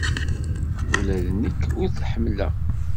Ula d nekk ur t-ḥemmleɣ.